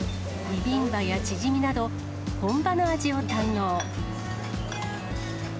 ビビンバやチヂミなど、本場の味を堪能。